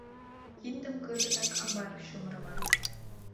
Киндым кызытак амбарыш чумырыман.